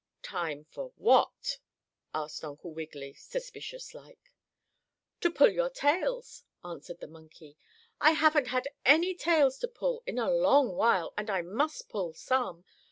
"Time for what?" asked Uncle Wiggily, suspicious like. "To pull your tails," answered the monkey. "I haven't had any tails to pull in a long while, and I must pull some.